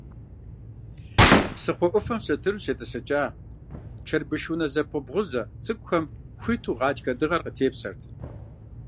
Псыхъуэ ӏуфэм сэтыру щетӏысэкӏа, чэрбыш унэ зэпэбгъузэ цӏыкӏухэм, хуиту гъатхэ дыгъэр къахэпсэрт.